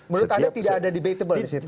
menurut anda tidak ada di betable di situ